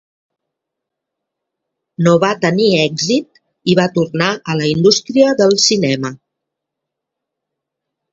No va tenir èxit i va tornar a la indústria del cinema.